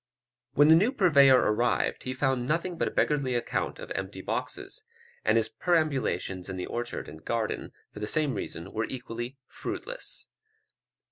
When the new purveyor arrived, he found nothing but "a beggarly account of empty boxes;" and his perambulations in the orchard and garden, for the same reason were equally fruitless.